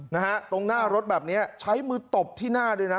นะฮะตรงหน้ารถแบบเนี้ยใช้มือตบที่หน้าด้วยนะ